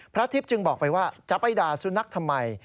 ทิพย์จึงบอกไปว่าจะไปด่าสุนัขทำไม